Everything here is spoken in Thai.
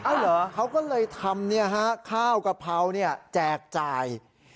เอาเหรอเขาก็เลยทำข้าวกะเพราแจกจ่าย